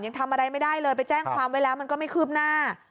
ยังทำอะไรไม่ได้เลยไปแจ้งความไว้แล้วมันก็ไม่คืบหน้า